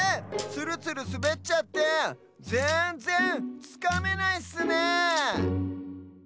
ツルツルすべっちゃってぜんぜんつかめないッスねえ。